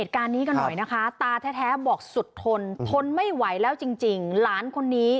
เหตุการณ์นี้กันหน่อยนะคะตาแท้บอกสุดทนทนไม่ไหวแล้วจริงหลานคนนี้